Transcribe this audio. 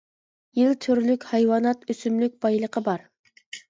يىل، تۈرلۈك ھايۋانات، ئۆسۈملۈك بايلىقى بار.